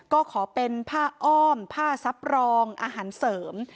ก็ขอเป็นผ้าอ้อมผ้าซับรองอาหารเสริม